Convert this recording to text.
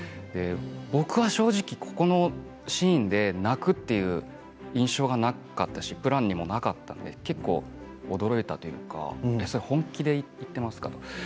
僕は正直このシーンで泣くという印象がなかったしプランにもなかったし驚いたというかそれ本気で言っていますか？